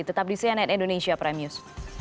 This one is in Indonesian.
tetap di cnn indonesia prime news